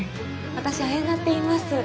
私あやなって言います。